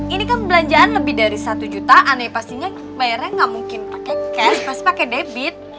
ini kan belanjaan lebih dari satu jutaan ya pastinya bayarnya nggak mungkin pakai cash pasti pakai debit